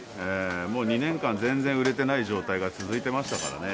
もう２年間、全然売れてない状態が続いてましたからね。